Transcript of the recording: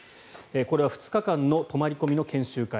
これは２日間の泊まり込みの研修会。